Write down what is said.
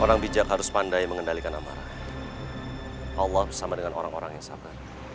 aku akan menguji kemampuanmu